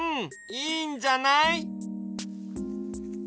いいんじゃない？